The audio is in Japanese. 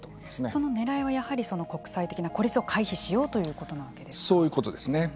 その狙いはやはり国際的な孤立を回避しようということなんですね。